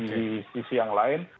di sisi yang lain